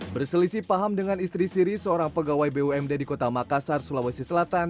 berselisih paham dengan istri siri seorang pegawai bumd di kota makassar sulawesi selatan